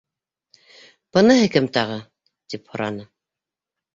—Быныһы кем тағы? —тип һораны.